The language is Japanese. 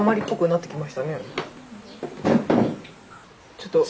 ちょっと。